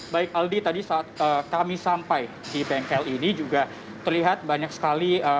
baik aldi tadi saat kami sampai di bengkel ini juga terlihat banyak sekali